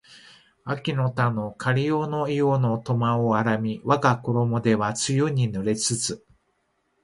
秋（あき）の田のかりほの庵（いほ）の苫（とま）を荒みわがころも手は露に濡れつつ